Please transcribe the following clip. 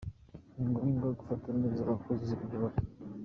Ni ngombwa gufata neza abakozi uyobora.